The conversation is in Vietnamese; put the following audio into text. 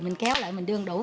mình kéo lại mình đương đủ